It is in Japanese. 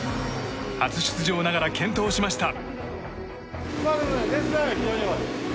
初出場ながら健闘しました。